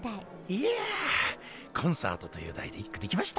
いや「コンサート」という題で１句できました。